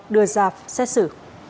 đưa ra xét xử